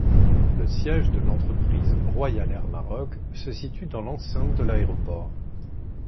Le siège de l'entreprise Royal Air Maroc se situe dans l'enceinte de l'aéroport.